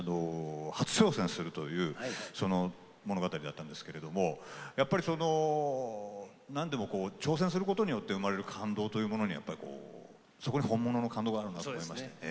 初挑戦するという物語だったんですけれどもやっぱりその何でも挑戦することによって生まれる感動というものにやっぱりこうそこに本物の感動があるなって思いましたね。